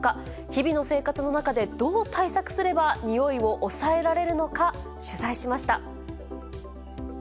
日々の生活の中で、どう対策すれば臭いを抑えられるのか、取材しました。